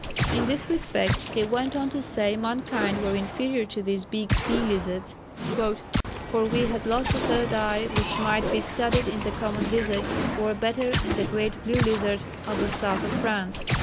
In this respect he went on to say mankind were inferior to these big sea lizards, "for we had lost the third eye which might be studied in the common lizard, or better in the great blue lizard of the South of France."